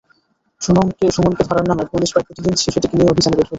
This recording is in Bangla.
সুমনকে ধরার নামে পুলিশ প্রায় প্রতিদিন শিশুটিকে নিয়ে অভিযানে বের হচ্ছে।